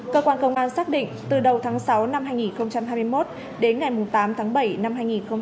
cơ quan công an xác định từ đầu tháng sáu năm hai nghìn hai mươi một đến ngày tám tháng bảy năm hai nghìn hai mươi ba